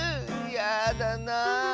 やだなあ。